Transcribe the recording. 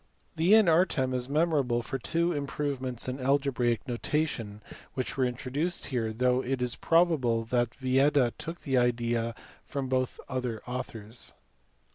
The In Artem is memorable for two improvements in alge braic notation which were introduced here, though it is probable that Vieta took the idea of both from other authors.